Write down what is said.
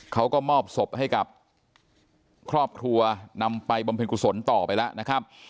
เขาก็มอบศพให้กับครอบครัวนำไปบำเพ็ญกุศลต่อไปแล้วนะครับ